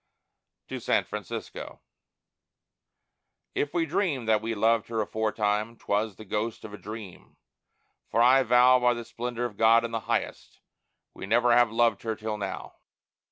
TO SAN FRANCISCO If we dreamed that we loved Her aforetime, 'twas the ghost of a dream; for I vow By the splendor of God in the highest, we never have loved Her till now.